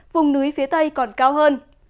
vùng núi phía tây còn cao hơn